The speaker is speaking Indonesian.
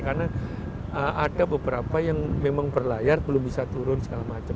karena ada beberapa yang memang berlayar belum bisa turun segala macam